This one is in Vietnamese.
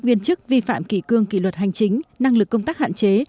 nguyên chức vi phạm kỳ cương kỳ luật hành chính năng lực công tác hạn chế